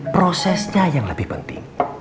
prosesnya yang lebih penting